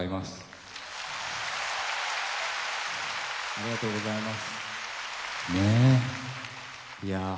ありがとうございます。